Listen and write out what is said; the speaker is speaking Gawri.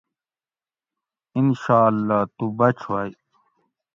انشاء اللّہ تُو بچ ہوئے